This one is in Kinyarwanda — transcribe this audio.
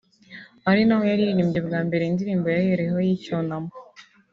ari naho yaririmbiye bwa mbere indirimbo yahereyeho y’icyunamo